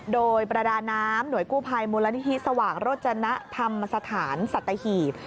โดยประดาน้ำหน่วยกู้ภัยมูลนิธิสว่างโรจนธรรมสถานสัตหีบ